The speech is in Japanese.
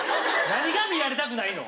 何が見られたくないの。